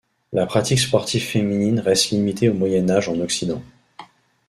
La pratique sportive féminine reste limitée au Moyen Âge en Occident.